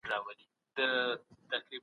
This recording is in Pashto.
شخصي ملکیت د بشر فطري غریزه ده.